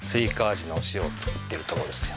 味のお塩を作ってるとこですよ。